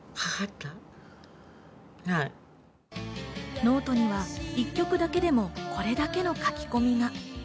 ノートには１曲だけでも、これだけの書き込みが。